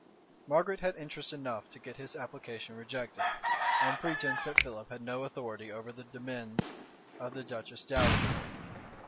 Margaret had interest enough to get his application rejected; on pretence that Philip had no authority over the demesnes of the duchess dowager.